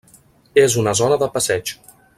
És una zona de passeig.